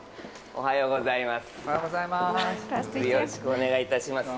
おはようございます。